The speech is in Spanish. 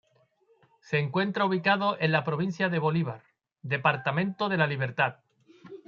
Se encuentra ubicado en la provincia de Bolívar, departamento de La Libertad.